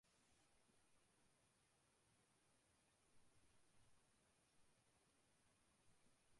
She is best known for her generosity and support of religious causes.